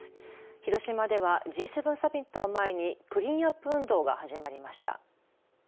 広島ではＧ７サミットを前にクリーンアップ運動が始まりました。